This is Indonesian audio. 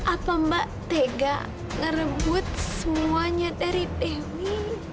apa mbak tega ngerebut semuanya dari pemi